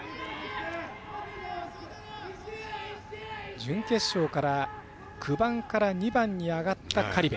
準決勝から９番から２番に上がった、苅部。